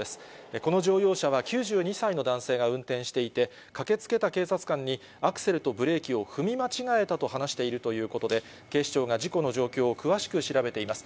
この乗用車は９２歳の男性が運転していて、駆けつけた警察官に、アクセルとブレーキを踏み間違えたと話しているということで、警視庁が事故の状況を詳しく調べています。